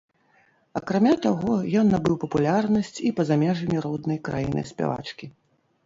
Акрамя таго, ён набыў папулярнасць і па-за межамі роднай краіны спявачкі.